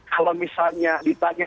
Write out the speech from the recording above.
kalau misalnya ditanya